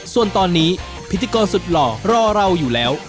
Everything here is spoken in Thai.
ส่วนตอนนี้พิธีกรสุดหล่อรอเราอยู่แล้ว